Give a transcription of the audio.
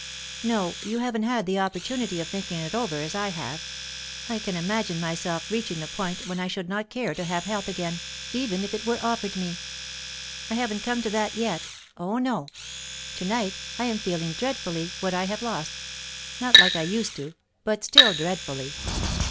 "No; you haven't had the opportunity of thinking it over, as I have. I can imagine myself reaching the point when I should not care to have health again, even if it were offered me. I haven't come to that yet; oh no! To night I am feeling dreadfully what I have lost not like I used to, but still dreadfully.